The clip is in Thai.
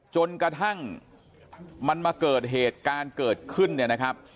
จนกระทั่งมันมาเกิดเหตุการณ์เกิดขึ้นเนี่ยนะครับ